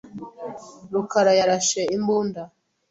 rukarayarashe imbunda.